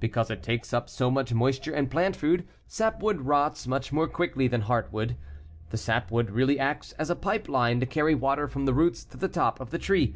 Because it takes up so much moisture and plant food, sapwood rots much more quickly than heartwood. The sapwood really acts as a pipe line to carry water from the roots to the top of the tree.